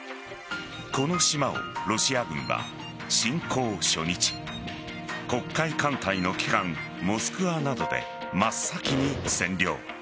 この島をロシア軍は侵攻初日黒海艦隊の旗艦「モスクワ」などで真っ先に占領。